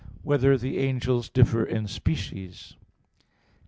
4] Whether the Angels Differ in Species?